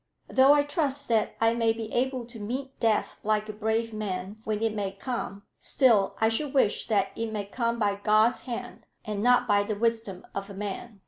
Though I trust that I may be able to meet death like a brave man when it may come, still I should wish that it might come by God's hand, and not by the wisdom of a man.